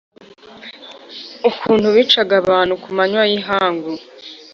Ukuntu bicaga abantu ku manywa y’ihangu